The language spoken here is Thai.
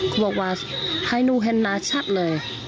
เขาบอกว่าให้หนูเห็นหน้าชัดเลย